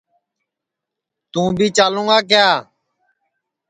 توں بی چالوں گا کیا